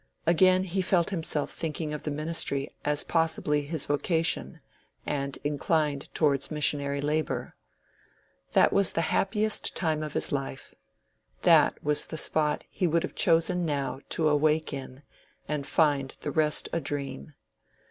Again he felt himself thinking of the ministry as possibly his vocation, and inclined towards missionary labor. That was the happiest time of his life: that was the spot he would have chosen now to awake in and find the rest a dream.